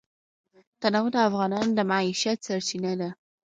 تنوع د افغانانو د معیشت سرچینه ده.